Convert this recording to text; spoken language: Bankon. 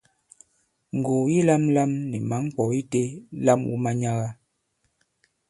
Ngùgù yi lāmlām ni mǎŋ ŋkwɔ̌ itē, lam wu manyaga!